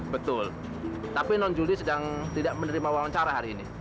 betul tapi non juli sedang tidak menerima wawancara hari ini